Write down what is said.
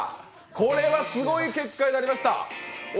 これはすごい結果になりました。